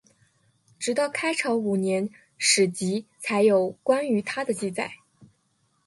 直到开成五年史籍才有关于他的记载。